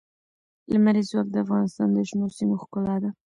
لمریز ځواک د افغانستان د شنو سیمو ښکلا ده.